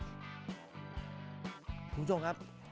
คุณผู้ชมครับ